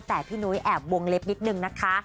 แต่พี่นุ้ยแอบวงเล็บนิดนึงนะคะ